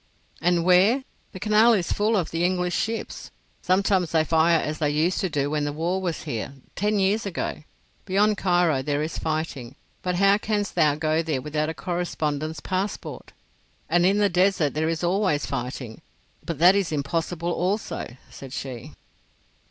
"And where? The Canal is full of the English ships. Sometimes they fire as they used to do when the war was here—ten years ago. Beyond Cairo there is fighting, but how canst thou go there without a correspondent's passport? And in the desert there is always fighting, but that is impossible also," said she.